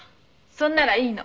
そんならいいの」